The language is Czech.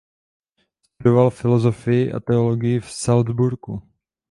Studoval filosofii a teologii v Salcburku.